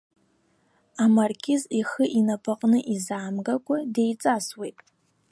Амаркиз ихы инапаҟны изаамгакәа деиҵасуеит.